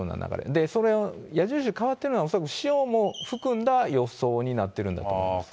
で、その矢印、変わってるのは恐らく潮も含んだ予想になってるんだと思います。